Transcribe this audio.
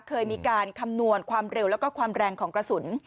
เคยมีการคำนวณความเร็วแล้วก็ความแรงของกระสุน